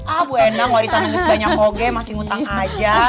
ah bu lanti warisan yang seganya koge masih ngutang aja